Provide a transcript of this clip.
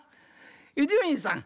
伊集院さん